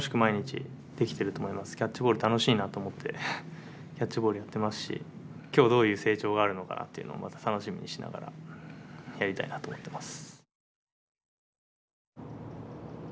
キャッチボール楽しいなと思ってキャッチボールやってますし今日どういう成長があるのかなっていうのをまた楽しみにしながらやりたいなと思ってます。